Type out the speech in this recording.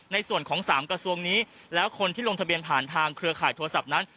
ในส่วนของ๓กระทรวงนี้แล้วคนที่ลงทะเบียนผ่านทางเครือข่ายโทรศัพท์นั้น